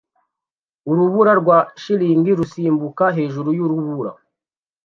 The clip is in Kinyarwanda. Urubura rwa shelegi rusimbuka hejuru yurubura